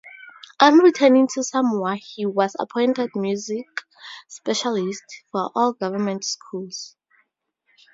On returning to Samoa he was appointed music specialist for all government schools.